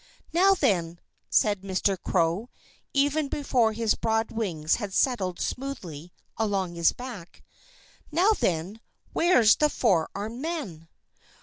"Now, then " said Mr. Crow, even before his broad wings had settled smoothly along his back "now, then, where's the four armed man?"